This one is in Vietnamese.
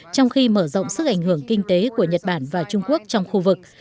trong khi mở rộng sức ảnh hưởng kinh tế của nhật bản và trung quốc trong khu vực